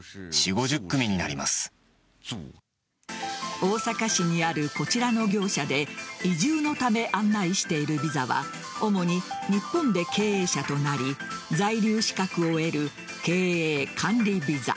大阪市にあるこちらの業者で移住のため案内しているビザは主に日本で経営者となり在留資格を得る経営・管理ビザ。